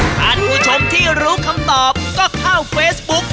ท่านผู้ชมที่รู้คำตอบก็เข้าเฟซบุ๊ก